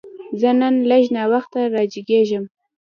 زه نن لږ ناوخته راجیګیږم